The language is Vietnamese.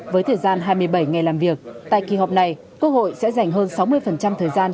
với thời gian hai mươi bảy ngày làm việc tại kỳ họp này quốc hội sẽ dành hơn sáu mươi thời gian